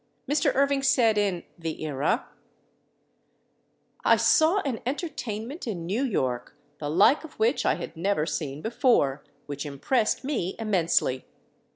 Mr. Irving said in The Era: "I saw an entertainment in New York, the like of which I had never seen before, which impressed me immensely.